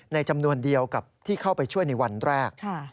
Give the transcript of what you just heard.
จำนวนเดียวกับที่เข้าไปช่วยในวันแรก